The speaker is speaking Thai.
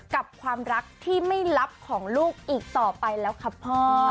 กับความรักที่ไม่ลับของลูกอีกต่อไปแล้วครับพ่อ